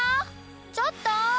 ちょっと？